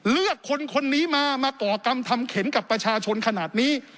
เลือกคนคนนี้มาก่อกรรมทำเข็นกับประชาชนขนาดนี้